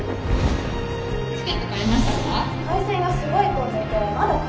チケット買えましたか？